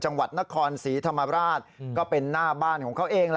จังหวัดนครศรีธรรมราชก็เป็นหน้าบ้านของเขาเอง